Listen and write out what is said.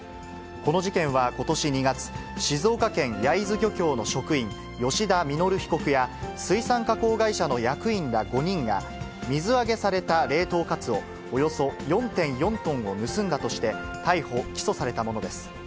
この事件はことし２月、静岡県焼津漁協の職員、吉田稔被告や、水産加工会社の役員ら５人が、水揚げされた冷凍カツオおよそ４．４トンを盗んだとして、逮捕・起訴されたものです。